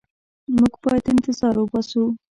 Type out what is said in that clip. موږ باید انتظار وباسو.